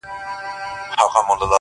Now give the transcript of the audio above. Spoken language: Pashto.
o ما خو څو واره ازمويلى كنه.